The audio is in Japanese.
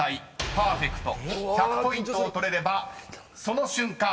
パーフェクト１００ポイントを取れればその瞬間